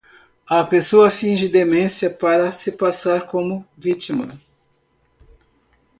A pessoa finge demência para se passar como vítima.